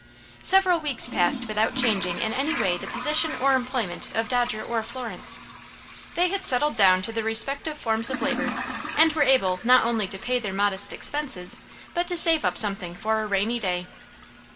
Several weeks passed without changing in any way the position or employment of Dodger or Florence. They had settled down to their respective forms of labor, and were able not only to pay their modest expenses, but to save up something for a rainy day.